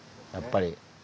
やっぱり。